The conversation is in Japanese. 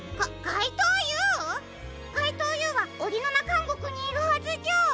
かいとうＵはオリノナかんごくにいるはずじゃ？